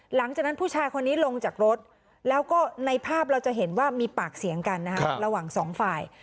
หลังจากนั้นผู้ชายคนนี้ลงจากรถแล้วก็ในภาพเราจะเห็นว่ามีปากเสียงกันนะครับระหว่างสองฝ่าย